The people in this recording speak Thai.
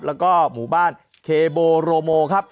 แล้วก็หมู่บ้านเคโบโรโมครับ